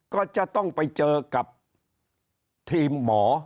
ก็จะต้องไปเจอกับทีมหมอ